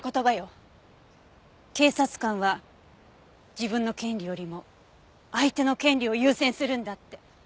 「警察官は自分の権利よりも相手の権利を優先するんだ」って。